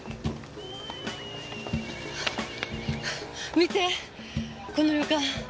見てこの旅館。